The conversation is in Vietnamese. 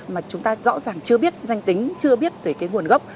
mà chúng ta rõ ràng chưa biết danh tính chưa biết về cái nguồn gốc